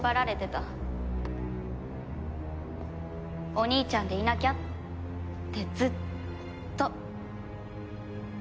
お兄ちゃんでいなきゃってずっと。